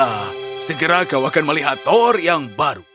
ah segera kau akan melihat thor yang baru